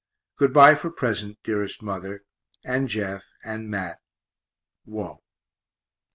Good bye for present, dearest mother, and Jeff, and Mat. WALT.